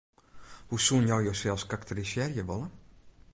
Hoe soenen jo josels karakterisearje wolle?